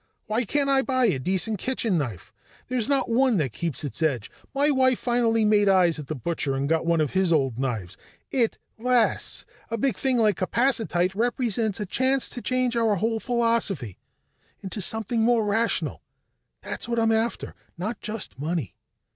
Why can't I buy a decent kitchen knife? There's not one that keeps its edge. My wife finally made eyes at the butcher and got one of his old knives; it lasts. "A big thing like capacitite represents a chance to change our whole philosophy into something more rational. That's what I'm after not just money.